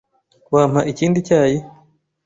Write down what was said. Wampa ikindi cyayi?